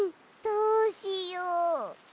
どうしよう。